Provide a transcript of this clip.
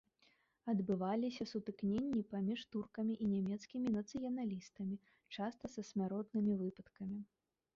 Адбываліся сутыкненні паміж туркамі і нямецкімі нацыяналістамі, часта са смяротнымі выпадкамі.